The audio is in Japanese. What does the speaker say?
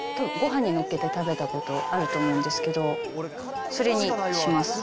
ごはんにのっけて食べたことあると思うんですけど、それにします。